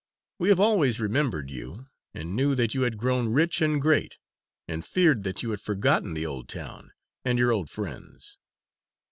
We have always remembered you, and knew that you had grown rich and great, and feared that you had forgotten the old town and your old friends."